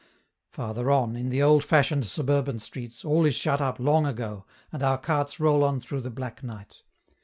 Farther on, in the old fashioned suburban streets, all is shut up long ago, and our carts roll on through the black night.